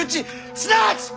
すなわち！